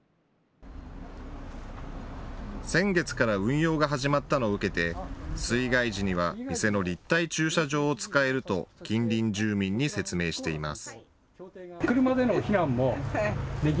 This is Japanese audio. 先月から運用が始まったのを受けて水害時には店の立体駐車場を使えると近隣住民に説明しています。